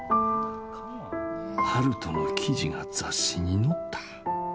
悠人の記事が雑誌に載った。